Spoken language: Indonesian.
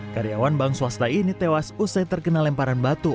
karyawan bang swasta ini tewas usai terkenal lemparan batu